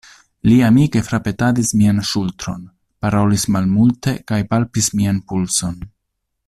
Li amike frapetadis mian ŝultron, parolis malmulte kaj palpis mian pulson.